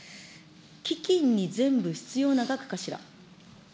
基金に全部必要な額かしら。